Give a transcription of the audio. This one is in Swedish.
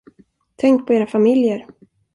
Tänk på era familjer.